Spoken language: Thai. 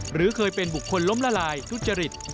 หรือเคยเป็นบุคคลล้มละลายทุจริต